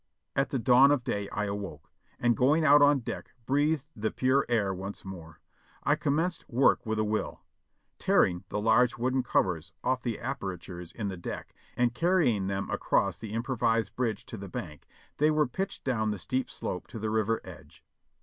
At the dawn of day I awoke, and going out on deck breathed the pure air once more. I commenced work with a will. Tear ing the large wooden covers off the apertures in the deck, and carrying them across the improvised bridge to the bank, they were pitched down the steep slope to the river edge.